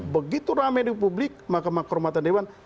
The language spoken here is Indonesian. begitu ramai di publik makam kehormatan dewa